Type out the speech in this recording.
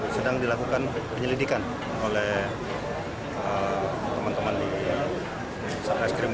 sedang dilakukan penyelidikan oleh teman teman di satreskrim